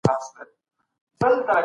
که ته خواږه څښاک نه څښې.